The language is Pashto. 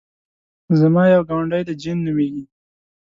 زما یو ګاونډی دی جین نومېږي.